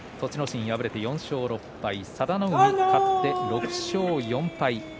心敗れて４勝６敗佐田の海、勝って６勝４敗。